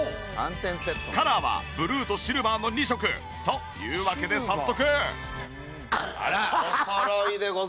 カラーはブルーとシルバーの２色。というわけで早速。